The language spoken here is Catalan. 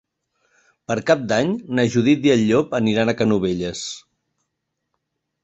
Per Cap d'Any na Judit i en Llop aniran a Canovelles.